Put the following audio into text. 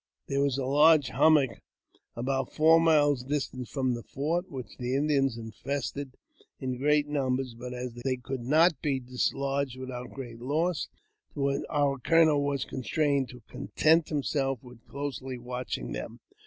There was a large hummock about four miles distant from the fort which the Indians infested in great numbers, but, as they could not be dislodged without great loss, our colonel was constrained to content himself with closely watching them.